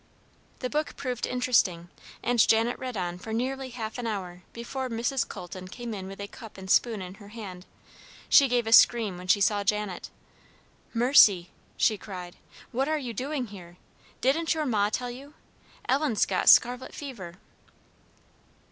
The book proved interesting, and Janet read on for nearly half an hour before Mrs. Colton came in with a cup and spoon in her hand. She gave a scream when she saw Janet. "Mercy!" she cried, "what are you doing here? Didn't your ma tell you? Ellen's got scarlet fever."